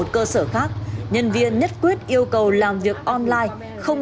trông nó cũng giống giống